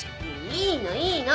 いいのいいの！